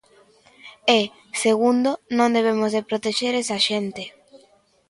E, segundo, non debemos de protexer esa xente.